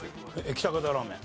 喜多方ラーメン。